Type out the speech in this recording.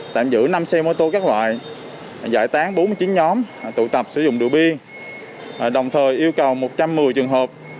tạm giữ năm xe mô tô các loại giải tán bốn mươi chín nhóm tụ tập sử dụng rượu bia đồng thời yêu cầu một trăm một mươi trường hợp